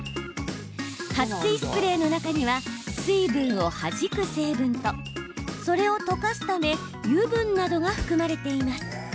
はっ水スプレーの中には水分をはじく成分とそれを溶かすため油分などが含まれています。